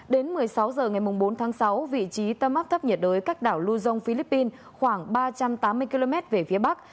đến một mươi sáu h ngày bốn tháng sáu vị trí tâm áp thấp nhiệt đới cách đảo lưu dông philippines khoảng ba trăm tám mươi km về phía bắc